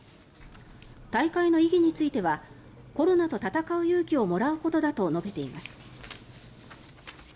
大会の意義についてはコロナと闘う勇気をもらうことだと述べています。